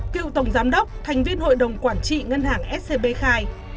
cựu tổng giám đốc thành viên hội đồng quản trị ngân hàng scb khai